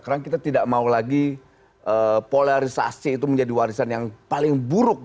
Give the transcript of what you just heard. karena kita tidak mau lagi polarisasi itu menjadi warisan yang paling buruk ya